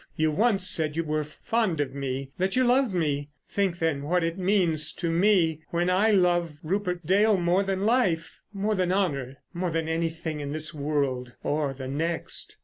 You once said you were fond of me, that you loved me. Think then what it means to me when I love Rupert Dale more than life—more than honour—more than anything in this world or the next.